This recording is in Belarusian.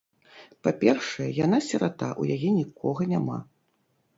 Па-першае, яна сірата, у яе нікога няма.